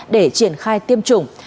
để triển khai tiêm chủng